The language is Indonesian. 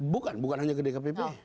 bukan bukan hanya ke dkpp